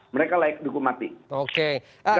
mereka layak dukung mati